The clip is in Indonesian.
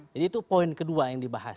jadi itu poin kedua yang dibahas